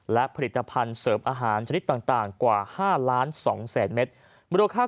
และผลิตภัณฑ์เสริมอาหารชนิดต่างกว่า๕ล้าน๒แสนเมตรบริโรคค่า